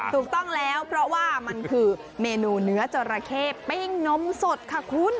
ถูกต้องแล้วเพราะว่ามันคือเมนูเนื้อจราเข้ปิ้งนมสดค่ะคุณ